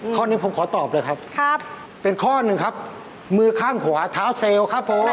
ข้อหนึ่งผมขอตอบเลยครับครับเป็นข้อหนึ่งครับมือข้างขวาเท้าเซลล์ครับผม